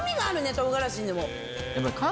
唐辛子にも。